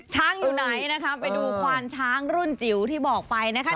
อยู่ไหนนะคะไปดูควานช้างรุ่นจิ๋วที่บอกไปนะคะ